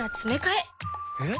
えっ？